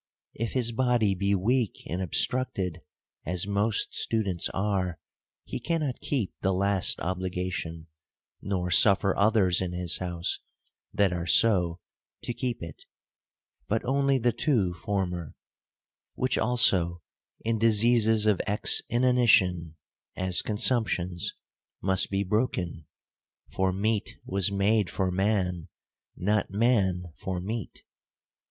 If his body be weak and obstructed, as most students are, he cannot keep the last obligation, nor suffer others in his house, that are so, to keep it : but only the two former ; which also, in diseases of exinanition (as consumptions) must be broken : for meat was made for man, not man for meat.